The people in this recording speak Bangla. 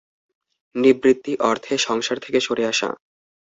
নিবৃত্তি-অর্থে সংসার থেকে সরে আসা।